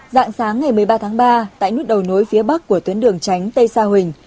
dạng sáng ngày một mươi ba tháng ba tại nút đầu nối phía bắc của tuyến đường tránh tây sa huỳnh